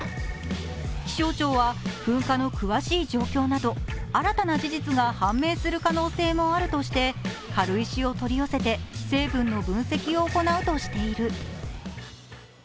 気象庁は、噴火の詳しい状況など新たな事実が判明する可能性もあるとして、軽石を取り寄せて成分の分析を行うとしている。